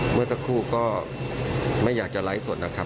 เมื่อสักครู่ก็ไม่อยากจะไลฟ์สดนะครับ